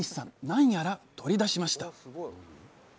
何やら取り出しました